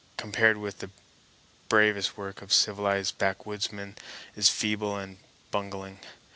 Compared with it the bravest work of civilized backwoodsmen is feeble and bungling.